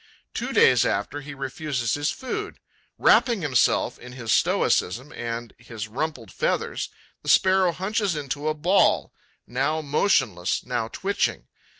Two days after, he refuses his food. Wrapping himself in his stoicism and his rumpled feathers, the Sparrow hunches into a ball, now motionless, now twitching.